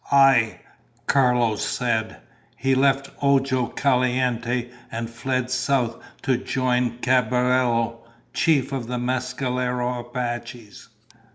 "Aye," Carlos said. "He left Ojo Caliente and fled south to join Caballero, chief of the Mescalero Apaches.